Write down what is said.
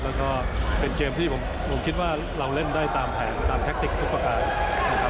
แล้วก็เป็นเกมที่ผมคิดว่าเราเล่นได้ตามแผนตามแทคติกทุกประการนะครับ